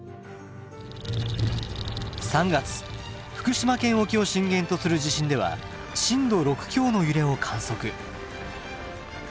３月福島県沖を震源とする地震では震度６強の揺れを観測。